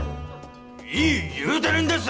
いい言うてるんです！